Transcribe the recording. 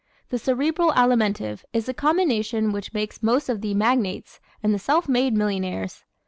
The Cerebral Alimentive is the combination which makes most of the "magnates" and the self made millionaires.